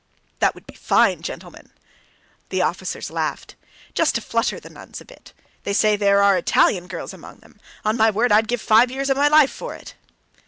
"That would be fine, gentlemen!" The officers laughed. "Just to flutter the nuns a bit. They say there are Italian girls among them. On my word I'd give five years of my life for it!"